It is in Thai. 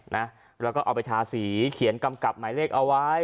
เอาไปทาสีเขียนกำกับหมายเลขเอาไว้